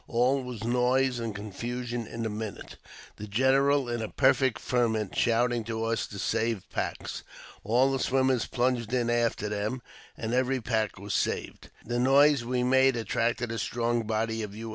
All was noise and confusion in a minute, the general, in a perfect ferment, shouting to us to save packs. All the swimmers plunged in after them, and every pack was saved. The noise we made attracted a strong body of U.